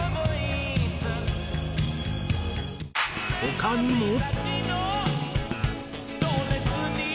他にも。